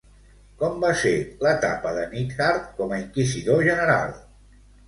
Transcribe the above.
Com va ser l'etapa de Nithard com a Inquisidor general?